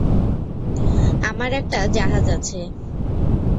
আমার একটা জাহাজ আছে।